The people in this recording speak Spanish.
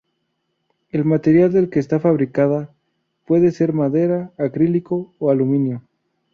El material del que está fabricada puede ser madera, acrílico o aluminio.